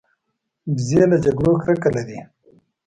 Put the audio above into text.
وزې له جګړو کرکه لري